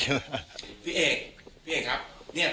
พี่เอกครับ